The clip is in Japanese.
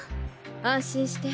安心して。